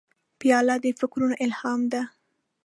پیاله د فکرونو الهام ده.